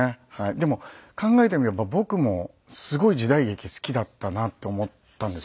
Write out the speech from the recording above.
でも考えてみれば僕もすごい時代劇好きだったなって思ったんです